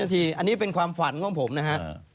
๓๐นาทีอันนี้เป็นความฝันของผมนะครับ